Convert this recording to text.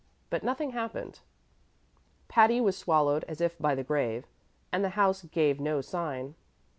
But nothing happened. Patty was swallowed as if by the grave, and the house gave no sign.